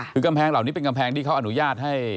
คือกำแพงเหล่านี้เป็นกำแพงที่เขาอนุญาตให้